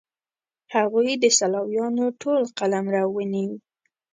هغوی د سلاویانو ټول قلمرو ونیو.